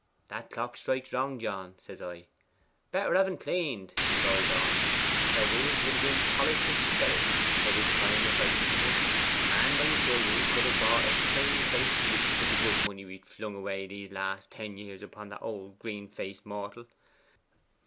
"That clock strikes wrong, John," says I. "Better have en claned," he goes on. The wheels would have been polished to skeletons by this time if I had listened to en, and I assure you we could have bought a chainey faced beauty wi' the good money we've flung away these last ten years upon this old green faced mortal.